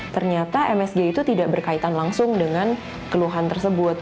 ternyata msg itu tidak berkaitan langsung dengan keluhan tersebut